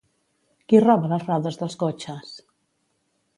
Qui roba les rodes dels cotxes?